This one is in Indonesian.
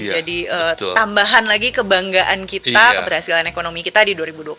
jadi tambahan lagi kebanggaan kita keberhasilan ekonomi kita di dua ribu dua puluh tiga